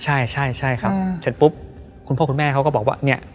ใช่ใช่ครับเสร็จปุ๊บคุณพ่อคุณแม่เขาก็บอกว่าเนี่ย